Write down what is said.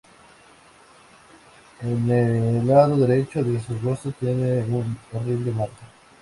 En el lado derecho de su rostro tiene una horrible marca.